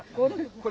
これ。